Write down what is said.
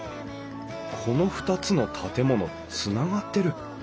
この２つの建物つながってる。